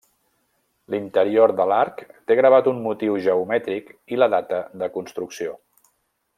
L'interior de l'arc té gravat un motiu geomètric i la data de construcció.